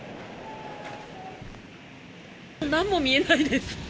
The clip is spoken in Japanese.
なんも見えないです。